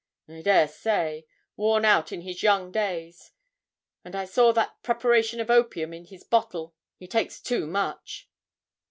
'I dare say worn out in his young days; and I saw that preparation of opium in his bottle he takes too much.'